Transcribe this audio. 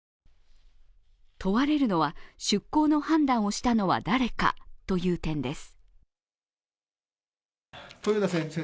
問われるのは出港の判断をしたのは誰かという点です。